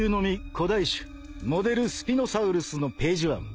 古代種モデルスピノサウルスのページワン］